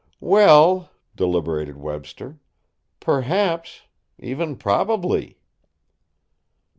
"Well," deliberated Webster, "perhaps; even probably."